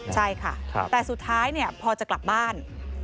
ใช่ค่ะแต่สุดท้ายพอจะกลับบ้าน